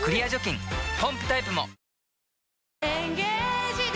ポンプタイプも！